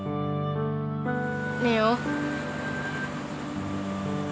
aku pengen tau isi hati kamu